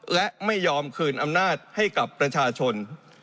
และไม่ยอมคืนอำนาจให้กับประชาชน